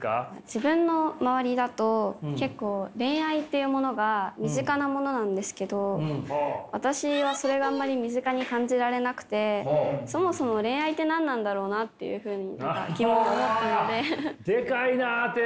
自分の周りだと結構恋愛っていうものが身近なものなんですけど私はそれがあんまり身近に感じられなくてそもそも恋愛って何なんだろうなっていうふうに疑問を持って。